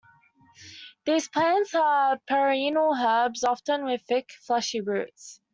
These plants are perennial herbs, often with thick, fleshy roots.